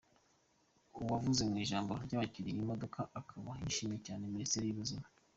Uwavuze mu ijambo ry’abakiriye imodoka akaba yashimiye cyane Misiteri y’Ubuzima.